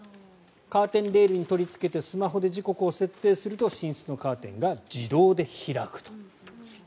カーテンレールに取りつけてスマホで時刻を設定すると寝室のカーテンが自動で開くと。